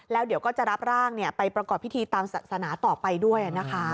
แล้วเดี๋ยวก็จะรับร่างไปประกอบพิธีตามศาสนาต่อไปด้วยนะคะ